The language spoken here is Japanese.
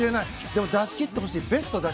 でも、出し切ってほしい。